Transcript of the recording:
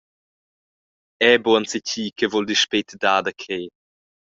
Era buca enzatgi che vul dispet dar da crer.